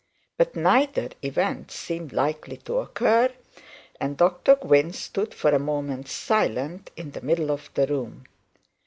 But neither event seemed likely to occur, and Dr Gwynne stood for a moment silent in the middle of the room.